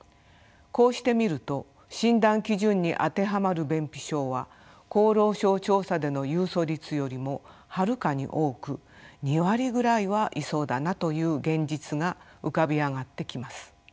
こうしてみると診断基準に当てはまる便秘症は厚労省調査での有訴率よりもはるかに多く２割ぐらいはいそうだなという現実が浮かび上がってきます。